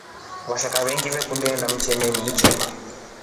Vashaka venyengi vakundi iinda mtemi itema.